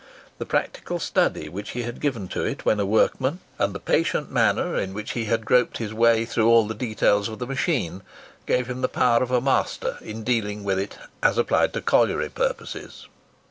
The practical study which he had given to it when a workman, and the patient manner in which he had groped his way through all the details of the machine, gave him the power of a master in dealing with it as applied to colliery purposes.